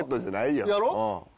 やろ？